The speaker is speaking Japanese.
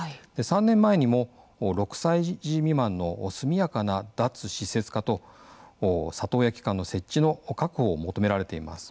３年前にも６歳児未満の速やかな脱施設化と里親機関の設置の確保を求められています。